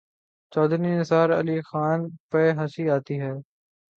چوہدری نثار علی خان پہ ہنسی آتی ہے۔